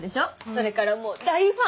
それからもう大ファン！